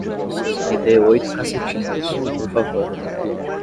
Me dê oito cacetinhos, por favor